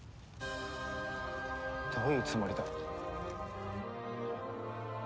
どういうつもりだ？